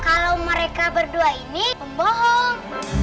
kalau mereka berdua ini bohong